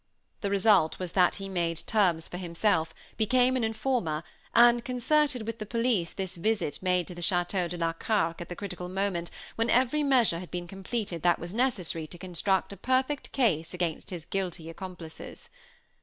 The result was that he made terms for himself, became an informer, and concerted with the police this visit made to the Château de la Carque at the critical moment when every measure had been completed that was necessary to construct a perfect case against his guilty accomplices.